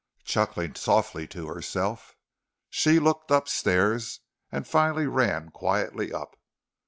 Chuckling softly to herself, she looked up stairs and finally ran quietly up.